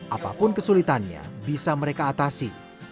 apapun kesulitannya bisa mereka atasi